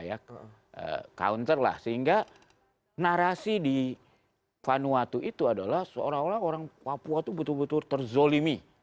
ya counter lah sehingga narasi di vanuatu itu adalah seolah olah orang papua itu betul betul terzolimi